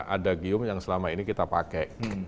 ada gium yang selama ini kita pakai